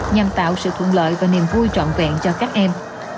nhằm tạo sự thuận lợi và niềm vui trọn vẹn cho các em